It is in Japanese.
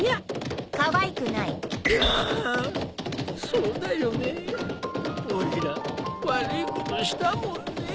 そうだよねおいら悪いことしたもんね。